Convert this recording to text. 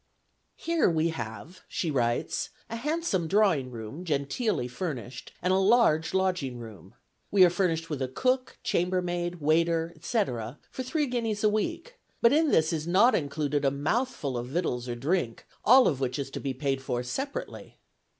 "Here we have," she writes, "a handsome drawing room, genteelly furnished, and a large lodging room. We are furnished with a cook, chambermaid, waiter, etc., for three guineas a week; but in this is not included a mouthful of victuals or drink, all of which is to be paid for separately."